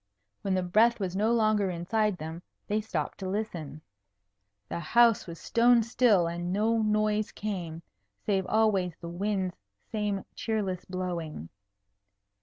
When the breath was no longer inside them, they stopped to listen. The house was stone still, and no noise came, save always the wind's same cheerless blowing.